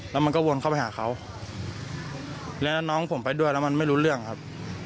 แล้วมันก็วนเข้าไปหาเขาแล้วน้องผมไปด้วยแล้วมันไม่รู้เรื่องครับ